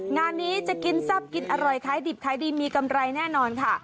งานนี้จะกินแซ่บกินอร่อยขายดิบขายดีมีกำไรแน่นอนค่ะ